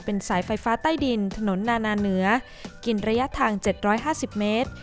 เป็นสายไฟฟ้าใต้ดินถนนนานาเหนือกินระยะทาง๗๕๐เมตร